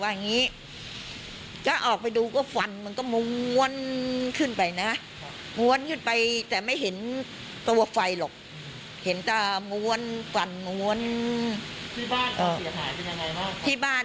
ห้องน้ำอ่ะไอ้กระโจ๊ะไอเนี่ย๒๕๕เนี่ยไอ้ฟ้านมันร่วงลงมา๒แผ่นแตกหมด